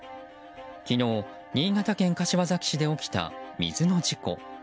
昨日、新潟県柏崎市で起きた水の事故。